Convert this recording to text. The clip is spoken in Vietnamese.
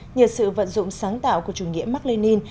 nhờ sự vận dụng sáng tạo của chủ nghĩa mark lenin